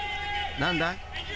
何だ？］